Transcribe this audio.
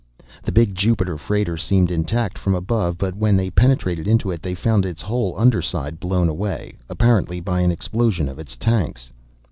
The big Jupiter freighter seemed intact from above, but, when they penetrated into it, they found its whole under side blown away, apparently by an explosion of its tanks.